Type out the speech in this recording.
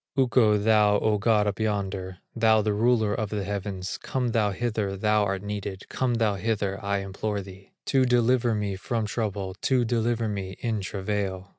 Ukko, thou O God, up yonder, Thou the ruler of the heavens, Come thou hither, thou art needed, Come thou hither, I implore thee, To deliver me from trouble, To deliver me in travail.